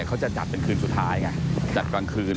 เขาจะจัดเป็นคืนสุดท้ายไงจัดกลางคืน